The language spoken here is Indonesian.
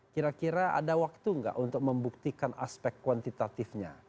kira kira ada waktu nggak untuk membuktikan aspek kuantitatifnya